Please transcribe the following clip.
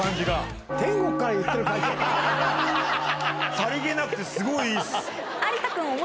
さりげなくてすごいいいです。